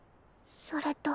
それと。